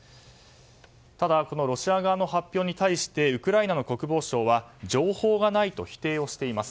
ただ、このロシア側の発表に対してウクライナの国防省は情報がないと否定しています。